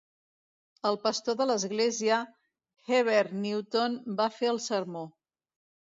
El pastor de l'església, Heber Newton, va fer el sermó.